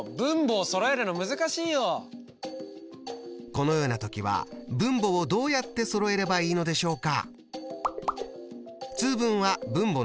このような時は分母をどうやってそろえればいいのでしょうか？